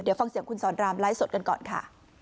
เดี๋ยวฟังเสียงคุณสอนรามไลฟ์สดกันก่อนค่ะ